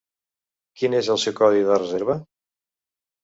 Quin és el seu codi de reserva?